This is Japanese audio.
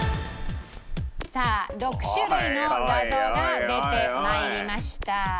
さあ６種類の画像が出て参りました。